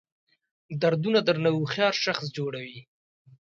دردونه درنه هوښیار شخص جوړوي.